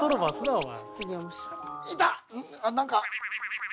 お前。